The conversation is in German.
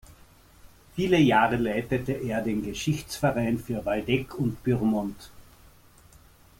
Viele Jahre leitete er den "Geschichtsverein für Waldeck und Pyrmont".